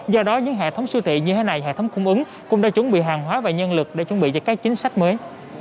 do đó những hệ thống siêu thị như thế này hệ thống cung ứng cũng đã chuẩn bị hàng hóa và nhân lực để chuẩn bị cho các chính sách mới